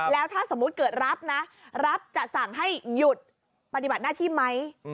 แล้วถ้าสมมุติเกิดรับนะรับจะสั่งให้หยุดปฏิบัติหน้าที่ไหม